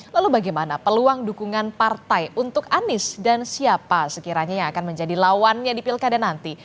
lalu bagaimana peluang dukungan partai untuk anies dan siapa sekiranya yang akan menjadi lawannya di pilkada nanti